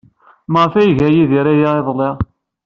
Maɣef ay iga Yidir aya iḍelli?